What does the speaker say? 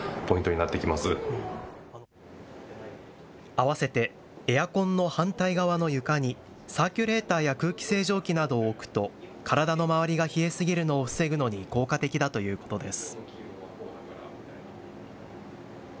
合わせてエアコンの反対側の床にサーキュレーターや空気清浄機などを置くと体の周りが冷えすぎるのを防ぐのに効果的だということです。